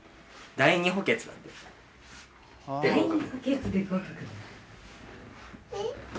第２補欠で合格？